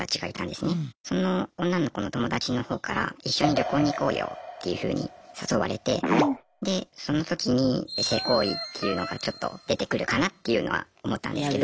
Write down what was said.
その女の子の友達の方から一緒に旅行に行こうよっていうふうに誘われてでその時に性行為っていうのがちょっと出てくるかなっていうのは思ったんですけど。